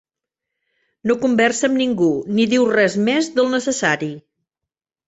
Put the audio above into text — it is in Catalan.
No conversa amb ningú ni diu res més del necessari.